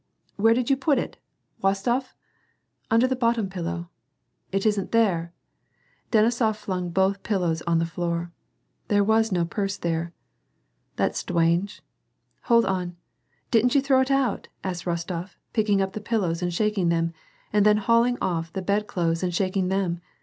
" Where did you put it, W'ostof ?" "Under the bottom pillow." " It isn't here." Denisof flung both pillows on the floor. There was no purse there. " That's stwange." " Hold on, didn't you throw it out ?" asked Rostof, picking up the pillows and shaking them, and then hauling o£E the bed clothes and shaking them.